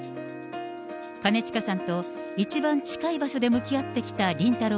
兼近さんと一番近い場所で向き合ってきたりんたろー。